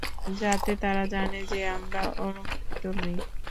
যাতে তারা জানে যে আমরা অরক্ষিত নই।